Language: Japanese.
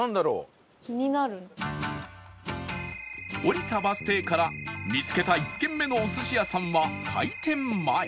降りたバス停から見つけた１軒目のお寿司屋さんは開店前